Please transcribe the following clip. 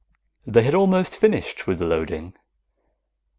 _ They had almost finished with the loading.